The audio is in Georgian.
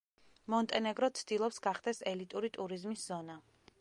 მონტენეგრო ცდილობს გახდეს ელიტური ტურიზმის ზონა.